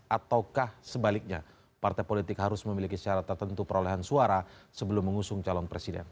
ataukah sebaliknya partai politik harus memiliki syarat tertentu perolehan suara sebelum mengusung calon presiden